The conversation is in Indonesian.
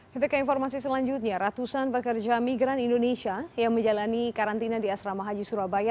kita ke informasi selanjutnya ratusan pekerja migran indonesia yang menjalani karantina di asrama haji surabaya